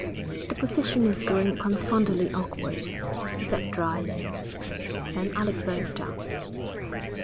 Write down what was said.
'The position is growing confoundedly awkward,' he said drily. Then Alec burst out.